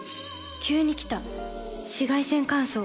急に来た紫外線乾燥。